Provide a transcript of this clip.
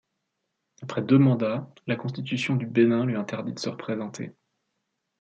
Après deux mandats, la constitution du Bénin lui interdit de se représenter.